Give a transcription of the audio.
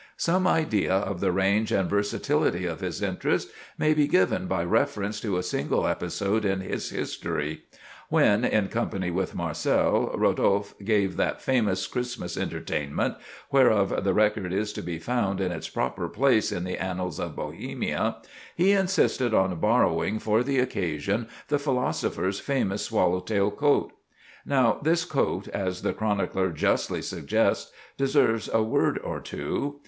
Some idea of the range and versatility of his interests may be given by reference to a single episode in his history. When, in company with Marcel, Rodolphe gave that famous Christmas entertainment, whereof the record is to be found in its proper place in the annals of Bohemia, he insisted on borrowing for the occasion the philosopher's famous swallowtail coat. Now, this coat, as the chronicler justly suggests, deserves a word or two.